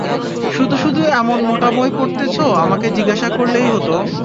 শুধু শুধু এমন মোটা বই পড়তেছো আমাকে জিজ্ঞেস করলেই হতো!